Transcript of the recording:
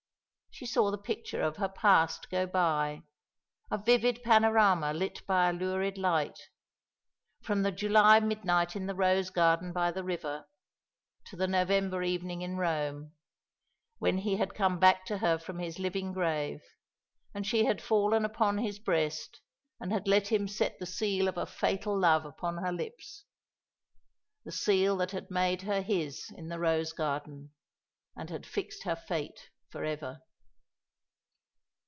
She saw the picture of her past go by, a vivid panorama lit by a lurid light from the July midnight in the rose garden by the river, to the November evening in Rome, when he had come back to her from his living grave and she had fallen upon his breast, and let him set the seal of a fatal love upon her lips the seal that had made her his in the rose garden, and had fixed her fate for ever.